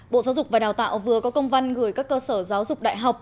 bộ giáo dục và đào tạo vừa có công văn gửi các cơ sở giáo dục đại học